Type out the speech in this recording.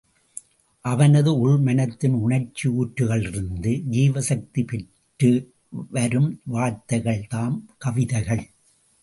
அவனது உள் மனத்தின் உணர்ச்சி ஊற்றுக்களிலிருந்து ஜீவசக்தி பெற்று வரும் வார்த்தைகள் தாம் கவிதைகள்.